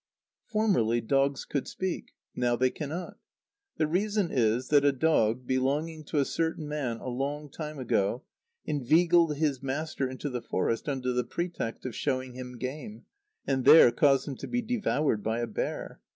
_ Formerly dogs could speak. Now they cannot. The reason is that a dog, belonging to a certain man a long time ago, inveigled his master into the forest under the pretext of showing him game, and there caused him to be devoured by a bear.